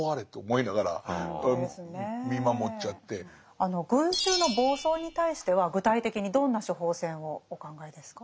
あの群衆の暴走に対しては具体的にどんな「処方箋」をお考えですか？